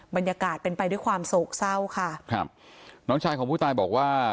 บรรยากาศเป็นไปด้วยความโศกเศร้าค่ะครับน้องชายของผู้ตายบอกว่า